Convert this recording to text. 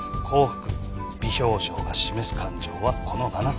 微表情が示す感情はこの７つ。